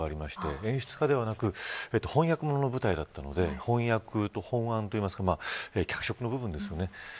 演出家ではなく翻訳ものの舞台だったので翻訳と翻案といいますか脚色の部分ですよね。